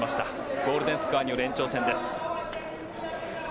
ゴールデンスコアによる延長戦です。